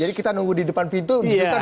jadi kita nunggu di depan pintu